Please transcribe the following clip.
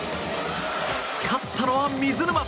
勝ったのは水沼。